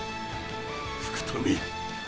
福富！